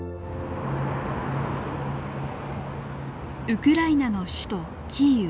ウクライナの首都キーウ。